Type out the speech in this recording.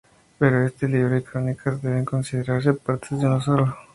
Por eso, este libro y I Crónicas deben considerarse partes de uno solo.